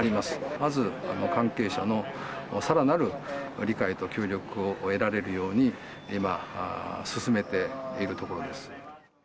まず、関係者のさらなる理解と協力を得られるように、今、進めているところです。